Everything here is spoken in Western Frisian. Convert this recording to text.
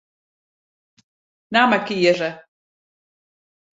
Namme kieze.